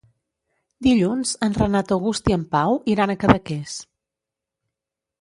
Dilluns en Renat August i en Pau iran a Cadaqués.